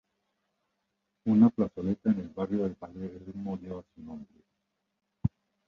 Una plazoleta en el barrio de Palermo lleva su nombre.